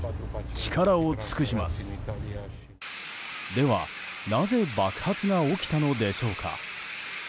では、なぜ爆発が起きたのでしょうか。